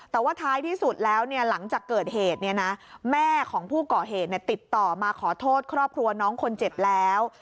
แต่ว่าท้ายที่สุดแล้วหลังจากเกิดเหตุแม่ของผู้ก่อเหตุติดต่อมาขอโทษครอบครัวน้องคนเจ็บแล้ว